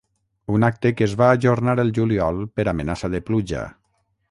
Un acte que es va ajornar el juliol per amenaça de pluja.